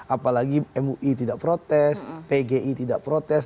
apalagi mui tidak protes pgi tidak protes